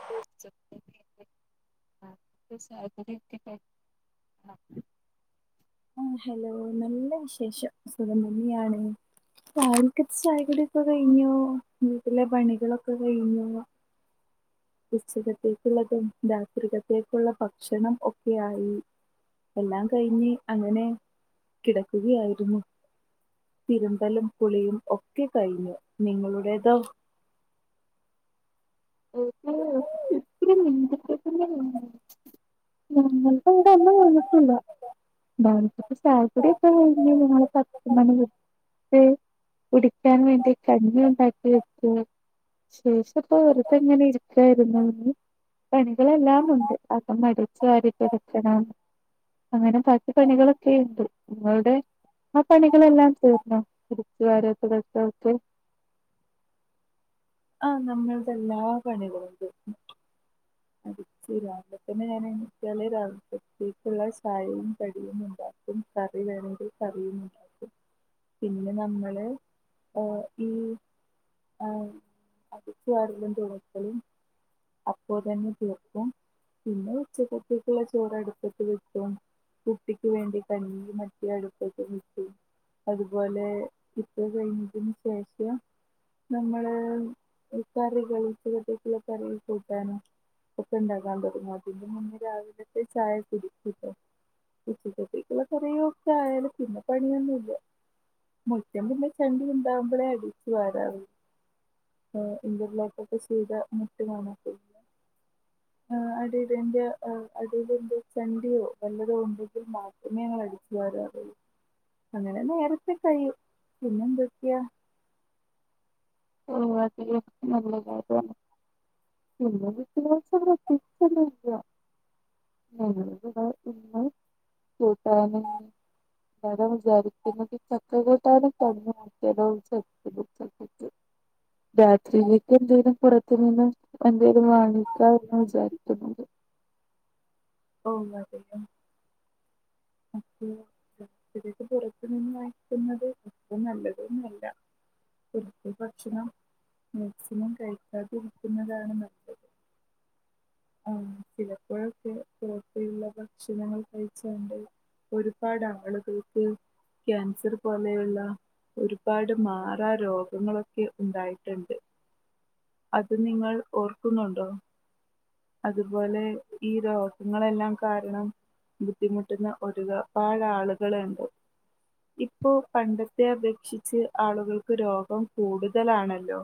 [inaudible] ആഹ് hello നല്ല വിശേഷം സുഖം തന്നെയാണ് രാവിൽക്ക ചായകുടിയൊക്കെ കഴിഞ്ഞോ വീട്ടിലെ പണികളൊക്കെ കഴിഞ്ഞോ ഉച്ചകത്തേക്കുള്ളതും രാത്രികത്തേക്കുള്ള ഭക്ഷണം ഒക്കെ ആയി എല്ലാം കഴിഞ്ഞ് അങ്ങനെ കിടക്കുകയായിരുന്നു തിരുമ്പലും കുളിയും ഒക്കെ കഴിഞ്ഞു നിങ്ങളുടേതോ [unintelligible] [inaudible] ചായകുടിയൊക്കെ കയിഞ്ഞ് ഞങ്ങളെ [unintelligible] കുടിക്കാൻ വേണ്ടി കഞ്ഞി ഉണ്ടാക്കി വച്ചു ശേഷ ഇപ്പൊ വെറുതെ എങ്ങനെ ഇരിക്കായിരിന്ന് ഇവെ എല്ലാം ഉണ്ട് ആകം അടിച്ചു വാരി തുടക്കണം അങ്ങനെ ബാക്കി പണികളൊക്കെണ്ട് നിങ്ങളുടെ ആ പണികളെല്ലാം തീർന്നോ ടിച്ചു വാര തുടക്ക ഒക്കെ ആഹ് നമ്മൾതെല്ലാ പണികളും ഉണ്ട് [unintelligible] രാവിലെ തന്നെ ഞാൻ [unintelligible] ചായവും കടിയും ഉണ്ട ഉം കറി വേണമെങ്കി കറിയും ഉണ്ടാക്കും പിന്നെ നമ്മള് എഹ് ഈ ആഹ് അടിച്ച് വരലും തുടക്കലും അപ്പോ തന്നെ തീർക്കും പിന്നെ ഉച്ചക്കത്തേക്കുള്ള ചോറ് അടുപ്പത്ത് വെക്കും കുട്ടിക്ക് വേണ്ടി കഞ്ഞി മറ്റെ അടുപ്പത് വെക്കു അതുപോലെ ഇപ്പ കഴിഞ്ഞതിന് ശേഷം നമ്മള് കറി ഉച്ചത്തേക്കുള്ള [unintelligible] കൂട്ടാനോ ഒക്കെ ഉണ്ടാക്കാൻ തുടങ്ങും അതിന്റെ മുന്നേ രാവിലത്തെ ചായ കുടിക്കുട്ടോ ഉച്ചക്കേത്തേക്കുള്ള കറികളൊക്കെ ആയാലും പിന്നെ പണിയൊന്നുല്ല മുറ്റം പിന്നെ ചണ്ടി ഉണ്ടാഉമ്പോളെ അടിച്ചു വാരാവ് ആഹ് ഇൻ്റർലോക്കൊക്കെ ചെയ്ത മട്ട് കാണൂ ആഹ് അടിലിന്റെ അടിയിലിന്റെ ചണ്ടിയോ വല്ലതോ ഉണ്ടെങ്കിൽ മാത്ര ഞങ്ങള് അടിച്ചു വരുവാ അങ്ങനെ നേരത്തെ കഴിയും പിന്നെന്തൊക്കെയാ [unintelligible] [unintelligible] [unintelligible] ങനെ വിജാരിക്ക്ന്നു ചക്കക്കൂട്ടാനും [unintelligible] രാത്രിയിലേക്ക് എന്തെലും പുറത്തുനിന്ന് എന്തെലും വാങ്ങിക്കാ എന്ന് വിചാരിക്കുന്നത് ഓ അതെയോ ആഹ് രാത്രി പുറത്തു നിന്ന് കയിക്കുന്നത് ഒപ്പ നല്ലതൊന്നുമല്ല ഇപ്പ ഭക്ഷണം മാക്സിമം കഴിക്കാതിരിക്കുന്നതാണ് നല്ലത് ആഹ് ചിലപ്പോഴൊക്കെ ഒള്ള ഭക്ഷണങ്ങൾ കഴിച്ചുകൊണ്ട് ഒരുപാട് ആളുകൾക്ക് ക്യാൻസർ പോലെയുള്ള ഒരുപാട് മാറാ രോഗങ്ങളൊക്കെ ഉണ്ടായിട്ടുണ്ട് അത് നിങ്ങൾ ഓർക്കുന്നുണ്ടോ അതുപോലെ ഈ രോഗങ്ങളെല്ലാം കാരണം ബുദ്ധിമുട്ടുന്ന ഒരുപാട് ആളുകളുണ്ട് ഇപ്പോ പണ്ടത്തെ അപേക്ഷിച്ച് ആളുകൾക്ക് രോഗം കൂടുതലാണല്ലോ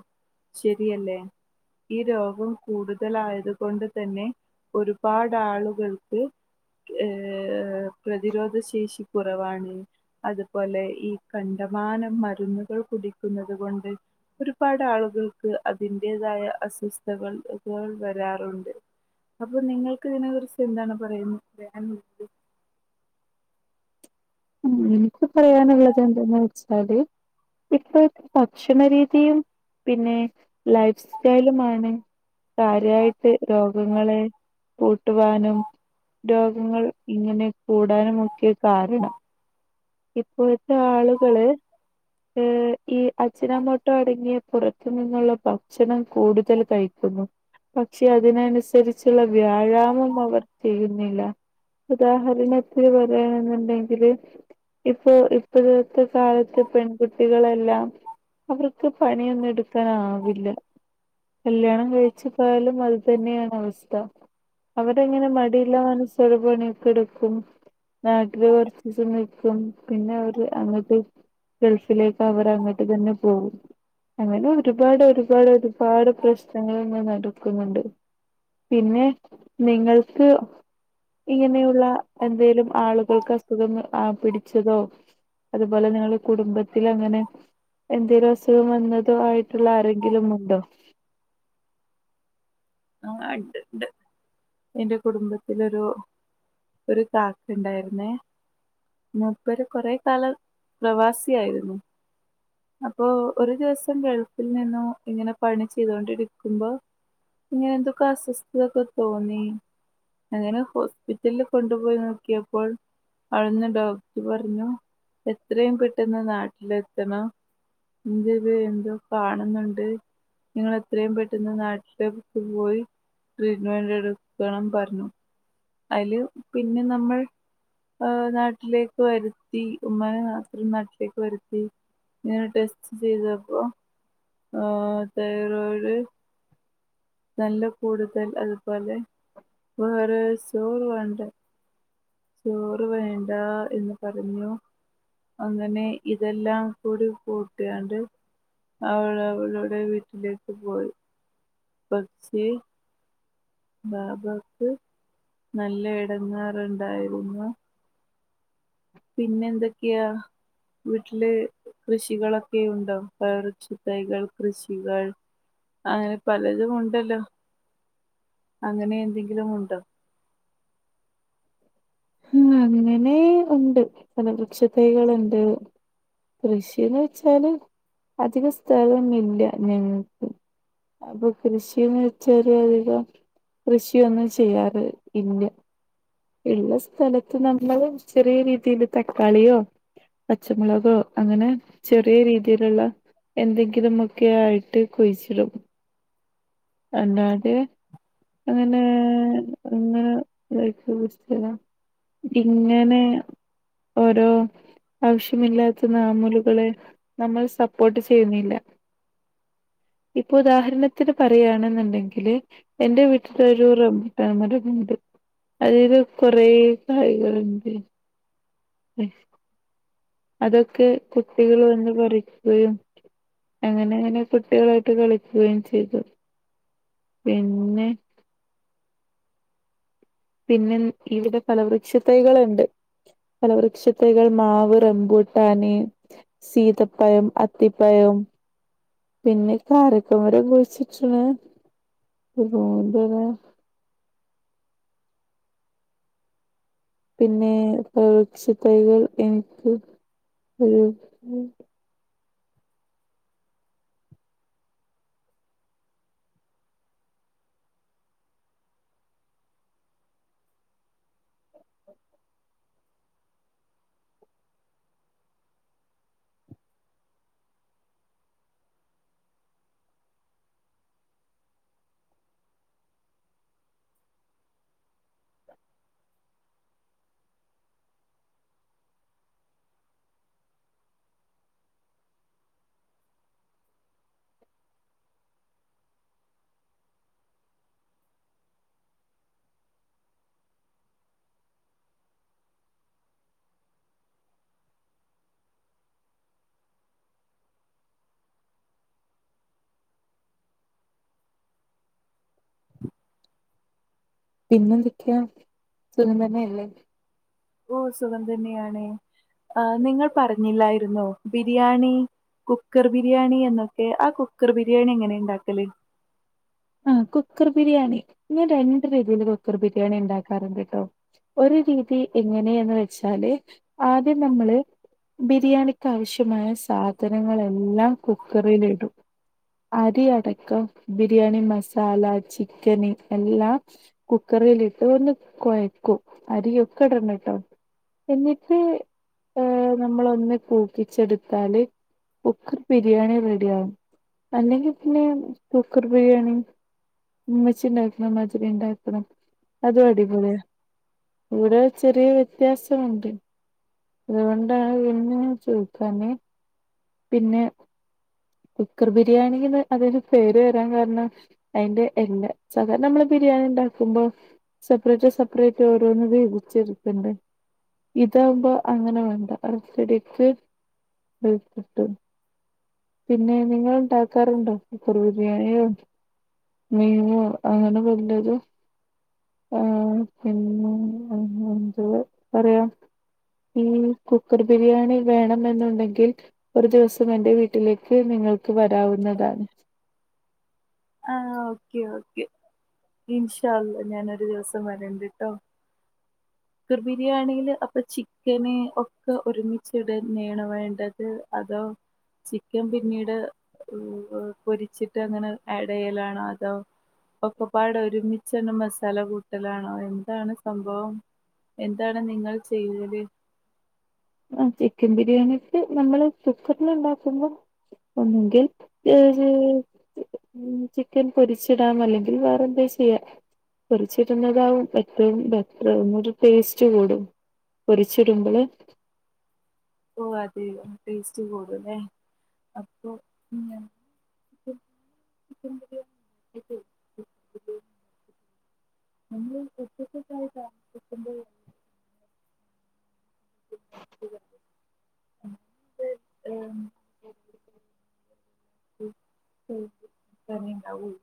ശരിയല്ലേ ഈ രോഗം കൂടുതലായത് കൊണ്ട് തന്നെ ഒരുപാട് ആളുകൾക്ക് ഏഹ് പ്രതിരോധ ശേഷി കുറവാണ് അതുപോലെ ഈ കണ്ടമാനം മരുന്നുകൾ കുടിക്കുന്നത് കൊണ്ട് ഒരുപാട് ആളുകൾക്ക് അതിൻ്റേതായ അസ്വസ്ഥകൾ ഇൾ വരാൻ അപ്പൊ നിങ്ങൾക്ക് ഇതിനെ കുറിച്ച് എന്താണ് പറയുന്നത് ഉം എനിക്ക് പറയാനുള്ളത് എന്തന്ന് വെച്ചാല് ഇപ്പൊ ഭക്ഷണ രീതിയും പിന്നെ ലൈഫ് സ്റ്റൈലുമാണ് കാര്യായിട്ട് രോഗങ്ങള് കൂട്ടുവാനും രോഗങ്ങൾ ഇങ്ങനെ കൂടാനും ഒക്കെ കാരണം ഇപ്പോഴത്തെ ആളുകള് ഏഹ് ഈ അജ്നാമോട്ട അടങ്ങിയ പുറത്തു നിന്നുള്ള ഭക്ഷണം കൂടുതൽ കഴിക്കുന്നു പക്ഷെ അതിനനുസരിച്ചുള്ള വ്യായാമം അവർ ചെയ്യുന്നില്ല ഉദാഹരണത്തിന് പറയാനെന്നുണ്ടെങ്കില് ഇപ്പൊ ഇപ്പോഴത്തെ കാലത്ത് പെൺ കുട്ടികളെല്ലാം അവർക്ക് പണിയൊന്നും എടുക്കാനാവില്ല കല്യാണം കഴിച്ചു പോയാലും അത് തന്നെയാണ് അവസ്ഥ അവരെങ്ങനെ മടിയില്ല മനസോടെ പണിയൊക്കെ എടുക്കും നാട്ടില് കുറച്ച് ദിവസം നിൽക്കും പിന്നെ അവര് അങ്ങത്തെ ഗൾഫിലേക്ക് അവർ അങ്ങോട്ട് തന്നെ പോകും അങ്ങനെ ഒരുപാട് ഒരുപാട് ഒരുപാട് പ്രശ്നങ്ങൾങ്ങെ നടക്കുന്നുണ്ട് പിന്നെ നിങ്ങൾക്ക് ഇങ്ങനെയുള്ള എന്തേലും ആളുകൾക്ക് അസുഖം പിടിച്ചതോ അതുപോലെ നിങ്ങൾ കുടുംബത്തിൽ അങ്ങനെ എന്തെങ്കലും അസുഖം വന്നതോ ആയിട്ടുള്ള ആരെങ്കിലും ഉണ്ടോ ആഹ് ഉണ്ട്ണ്ട് ൻ്റെ കുടുംബത്തിലൊരു ഒരു കാക്ക ഉണ്ടായിരുന്നേ മൂപ്പര് കുറെ കാല പ്രവാസിയായിരുന്നു അപ്പൊ ഒരു ദിവസം ഗൾഫിൽ നിന്നും ഇങ്ങനെ പണി ചെയ്തൊണ്ടിരിക്കുമ്പോ ഇങ്ങനെ എന്തൊക്കെ അസ്വസ്ഥതയൊക്കെ തോന്നി അങ്ങനെ ഹോസ്പിറ്റലിൽ കൊണ്ടുപോയി നോക്കിയപ്പോൾ അവിടുന്ന് ഡോക്ടർ പറഞ്ഞു എത്രയും പെട്ടെന്ന് നാട്ടിലെ എത്തണ ഇന്ത്ത് എന്തോ കാണുന്നുണ്ട് നിങ്ങ എത്രയും പെട്ടുന്ന നാട്ടില് പോയി ട്രീറ്റ്മെന്റ് എടുക്കണം പറഞ്ഞു അതില് പിന്നെ നമ്മൾ നാട്ടിലേക്ക് വരുത്തി ഉമാന നാസും നാട്ടിലേക്ക് വരുത്തി [unintelligible] ടെസ്റ്റ് ചെയതപ്പോ, ആഹ് തൈറോയിഡ്, നല്ല കൂടുതൽ അതുപോലെ വേറെ അസുഗവുണ്ട്. ചോറ് വേണ്ടാ എന്ന് പറഞ്ഞു. അങ്ങനെ ഇതെല്ലാം കൂടി കൂട്ടിയാണ്ട്, അവൾ അവളുടെ വീട്ടിലേക്ക് പോയി. [unintelligible] ബാബക്ക് നല്ല എടങ്ങേറുണ്ടായിരുന്നു. പിന്നെന്തൊക്കെയാ വീട്ടില് കൃഷികളൊക്കെയുണ്ടോ പയർച്ചി തൈകൾ കൃഷികൾ അങ്ങനെ പലതും ഉണ്ടല്ലോ അങ്ങനെയെന്തെങ്കിലും ഉണ്ടോ ഉം അങ്ങനെ ഉണ്ട് പല വൃക്ഷതൈകള്ണ്ട് കൃഷിന്ന്ച്ചാല് അധിക സ്ഥലമില്ല ഞങ്ങക്ക് പ്പൊ കൃഷിന്ന് വെച്ചാല് അതികം കൃഷിയൊന്നും ചെയ്യാറ് ഇല്യാ ഇള്ള സ്ഥലത്ത് നമ്മള് ചെറിയ രീതിയില് തക്കാളിയോ പച്ചമുളകോ അങ്ങനെ ചെറിയ രീതില്ള്ള എന്തെങ്കിലുമൊക്കെയായിട്ട് കുയിച്ചിടും അല്ലാതെ അങ്ങനെ അങ്ങനെതാക്കി കുയിച്ചിടല ഇങ്ങനെ ഒരോ ആവശ്യമില്ലാത്ത നാമൂലുകളെ നമ്മൾ സപ്പോട്ട് ചെയ്യുന്നില്ല ഇപ്പൊ ഉദാഹരണത്തിന് പറയാണ്ന്ന്ണ്ടെങ്കില് എന്റെ വീട്ടിലൊരു റംബുട്ടാൻ മരമുണ്ട് അതില് കൊറെ കായികള്ണ്ട് അതൊക്കെ കുട്ടികൾ വന്ന് പറിക്കുകയും അങ്ങനെ ങ്ങനെ കുട്ടികളായിട്ട് കളിക്കുകയും ചെയ്തു പിന്നെ പിന്നെ ഇവിടെ ഫല വൃക്ഷതൈകള്ണ്ട് ഫല വൃക്ഷതൈകൾ മാവ് റംബൂട്ടാന് സീതപ്പയം അത്തിപ്പയം പിന്നെ കാരക്ക മരം കുഴിച്ചിട്ട്ണ് ഒരു നോമ്പിന് പിന്നെ ഫല വൃക്ഷ തൈകൾ എനിക്ക് ഒരു ഉം പിന്നെന്തക്കെയാ സുഖം തന്നെയല്ലേ ഓഹ് സുഖം തന്നെയാണ് ആഹ് നിങ്ങൾ പറഞ്ഞില്ലായിരുന്നോ ബിരിയാണി കുക്കർ ബിരിയാണി എന്നൊക്കെ ആഹ് കുക്കർ ബിരിയാണി എങ്ങനെ ഇണ്ടാക്കല് ആ കുക്കർ ബിരിയാണി ഞാൻ രണ്ട് രീതിയില് കുക്കർ ബിരിയാണി ഇണ്ടാക്കാറ്ണ്ട് ട്ടോ ഒരു രീതി എങ്ങനെയെന്ന് വെച്ചാല് ആദ്യം നമ്മള് ബിരിയാണിക്കാവശ്യമായ സാധനങ്ങളെല്ലാം കുക്കറിലിടും അരിയടക്കം ബിരിയാണി മസാല ചിക്കന് എല്ലാം കുക്കറിലിട്ട് ഒന്ന് കൊയക്കും അരിയൊക്കടണട്ടോ എന്നിട്ട് ഏഹ് നമ്മളൊന്ന് കൂക്കിച്ചെടുത്താല് കുക്കർ ബിരിയാണി റെഡിയാവും അല്ലെങ്കി പിന്നെ കുക്കർ ബിരിയാണി ഉമ്മച്ചിണ്ടാക്ക്‌ണമാതിരിണ്ടാക്കണം അതും അടിപൊളിയാ ഇവിടെ ചെറിയ വ്യത്യാസവുണ്ട് അതുകൊണ്ടാണ് പിന്നെ ചോയിക്കാന് പിന്നെ കുക്കർ ബിരിയാണിന്ന് അതിന് പേര് വരാൻ കാരണം അയിന്റെ എല്ല് സാദാരണ നമ്മള് ബിരിയാണിണ്ടാക്കുമ്പോ സപ്പറേറ്റ് സപ്പറേറ്റ് ഓരോന്ന് വേവിച്ചെട്ക്കണ്ടെ ഇതാവുമ്പോ അങ്ങനെ വേണ്ട ഒരൊറ്റടിക്ക് വെന്ത് കിട്ടും പിന്നെ നിങ്ങൾ ണ്ടാക്കാറുണ്ടോ കുക്കർ ബിരിയാണിയോ മേമ അന പവുള്ളത് [unintelligible] ആ പിന്നെ എന്ത് പറയാ ഈ കുക്കർ ബിരിയാണി വേണം എന്നുണ്ടെങ്കിൽ ഒരു ദിവസം എന്റെ വീട്ട വീട്ടിലേക്ക് നിങ്ങൾക്ക് വരാവുന്നതാണ് ആ ഓക്കെ ഓക്കെ ഇ ൻഷാ അല്ലാഹ് ഞാനൊരു ദിവസം വരണ്ടിട്ടോ ർ ബിരിയാണിയില് അപ്പൊ ചിക്കന് ഒക്കെ ഒരുമിിച്ചട്ന്നെയാണ് വേണ്ടത് അതോ ചിക്കൻ പിന്നീട് പൊരിച്ചിട്ട് അങ്ങനെ ആഡയിലാണോ അതോ ഒക്കെപാട ഒരുമി ചെന്ന മസാല കൂട്ടലാണോ എന്താണ് സംഭവം എന്താണ് നിങ്ങൾ ചെയ്ല് ആ ചിക്കൻ ബിരിയാണി് നമ്മള് കുക്കറില് ഉണ്ടാക്കുമ്പോ ഒണ്ടെങ്കിൽ ഏ ഉ ചിക്കൻ പൊരിച്ചിടാം അല്ലെങ്കിൽ വേറെ എന്താ ചെയ്യാ പറിച്ചിരുന്നതാവും ഏറ്റവും ബെറ്റർന്നരു ടേസ്റ്റ് കൂടും പൊരിച്ചിടുമ്പഴ് ഓ് അതെ ടേസ്റ്റ് കൂടല്ലേ അപ്പൊ പി [inaudible] [unintelligible] െ [inaudible] ഏഹ് ഉം ഉം തർണി ണ്ടാവും